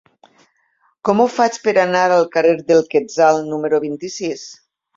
Com ho faig per anar al carrer del Quetzal número vint-i-sis?